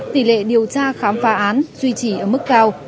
tỷ lệ điều tra khám phá án duy trì ở mức cao